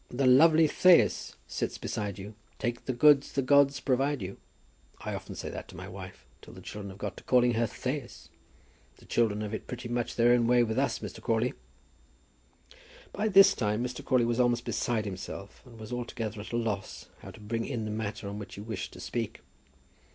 'The lovely Thais sits beside you. Take the goods the gods provide you.' I often say that to my wife, till the children have got to calling her Thais. The children have it pretty much their own way with us, Mr. Crawley." By this time Mr. Crawley was almost beside himself, and was altogether at a loss how to bring in the matter on which he wished to speak.